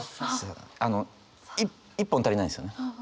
一本足りないですよね。